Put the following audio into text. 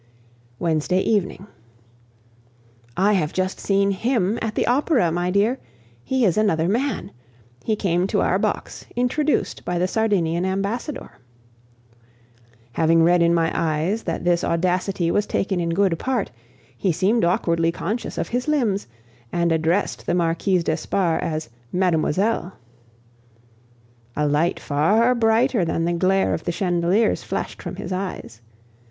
Wednesday evening. I have just seen him at the Opera, my dear; he is another man. He came to our box, introduced by the Sardinian ambassador. Having read in my eyes that this audacity was taken in good part, he seemed awkwardly conscious of his limbs, and addressed the Marquise d'Espard as "mademoiselle." A light far brighter than the glare of the chandeliers flashed from his eyes.